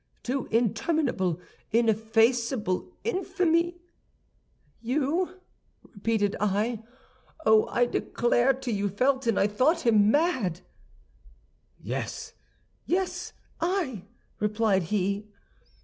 "'To interminable, ineffaceable infamy!' "'You?' repeated I. Oh, I declare to you, Felton, I thought him mad! "'Yes, yes, I!' replied he.